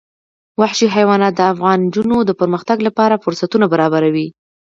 وحشي حیوانات د افغان نجونو د پرمختګ لپاره فرصتونه برابروي.